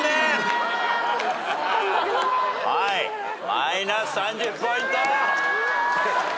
マイナス３０ポイント。